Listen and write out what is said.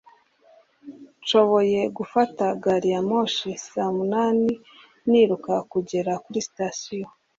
Nashoboye gufata gari ya moshi saa munani niruka kugera kuri sitasiyo.